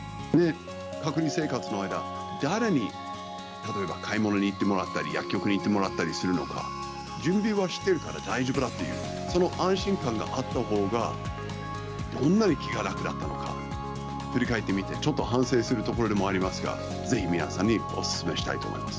隔離生活の間、誰に、例えば、買い物に行ってもらったり、薬局に行ってもらったりするのか、準備はしてるから大丈夫だという、その安心感があったほうがどんなに気が楽だったのか、振り返ってみて、ちょっと反省するところでもありますが、ぜひ皆さんにお勧めしたいと思います。